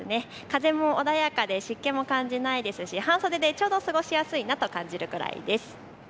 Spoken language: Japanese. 風も穏やかで湿気も感じないですし半袖でちょうど過ごしやすいなと感じます。